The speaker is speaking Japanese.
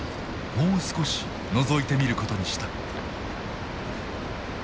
もう少しのぞいてみることにした。